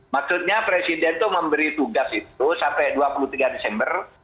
maksudnya presiden itu memberi tugas itu sampai dua puluh tiga desember